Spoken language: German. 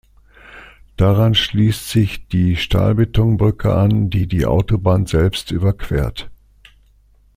Daran schließt sich die Stahlbetonbrücke an, die die Autobahn selbst überquert.